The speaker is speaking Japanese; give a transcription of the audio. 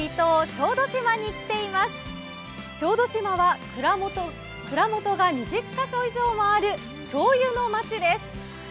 小豆島は蔵元が２０カ所以上もあるしょうゆの町です。